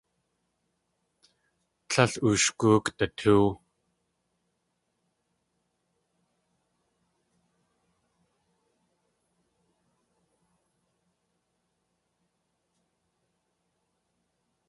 Tlél ooshgóok datóow.